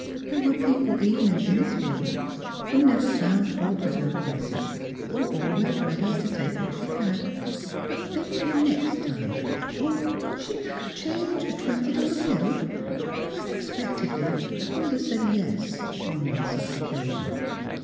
There were people even in Innisfield who never found fault with her prices, who were always ready to take what she had. But they would pay next Miss Philura's Wedding Gown time, — or could she, perhaps, change a twenty dollar bill ? Unexpectedly Huldah said " yes," on one such occasion.